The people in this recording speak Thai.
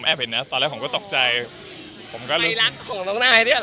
เออภัยรักของน้องไท่ด้วยหรอ